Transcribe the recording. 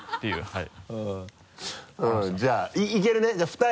はい。